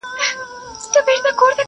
بس چي کله دي کابل کي یوه شپه سي.